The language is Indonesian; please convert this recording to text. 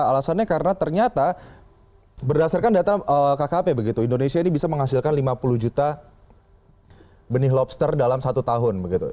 alasannya karena ternyata berdasarkan data kkp begitu indonesia ini bisa menghasilkan lima puluh juta benih lobster dalam satu tahun